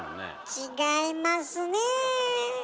違いますね。